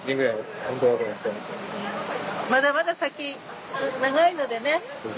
まだまだ先長いのでね。